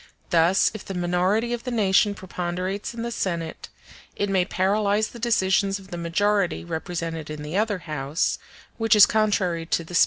Thus, if the minority of the nation preponderates in the Senate,. it may paralyze the decisions of the majority represented in the other House, which is contrary to the spirit of constitutional government.